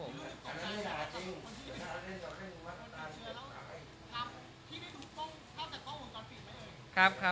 หน้าหน้าจ่ะครับใช่ใช่